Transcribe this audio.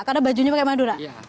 karena bajunya pakai madura